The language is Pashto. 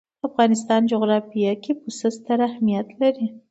د افغانستان جغرافیه کې پسه ستر اهمیت لري.